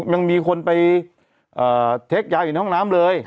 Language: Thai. ยังมีคนไปเทคยาวอยู่ในห้องน้ำเลย